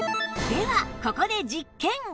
ではここで実験！